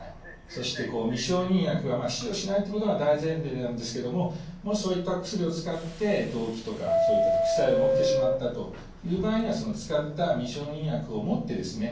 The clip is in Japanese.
そして未承認薬は使用しないということが大前提なんですけどももしそういったお薬を使って動悸とかそういった副作用が起きてしまったという場合にはその使った未承認薬を持ってですね